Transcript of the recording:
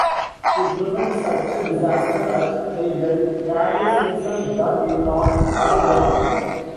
To prevent such a disaster at Siegen, Carius himself dug in on high ground.